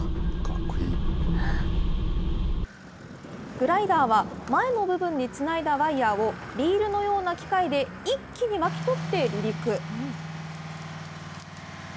グライダーは、前の部分につないだワイヤーを、リールのような機械で一気に巻き取って離陸。